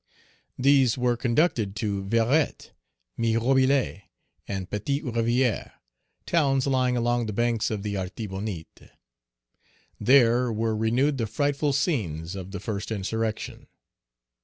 These were conducted to Verettes, Mirebalais, and Petite Rivière, towns lying along the banks of the Artibonite. There were renewed the frightful scenes of the first insurrection.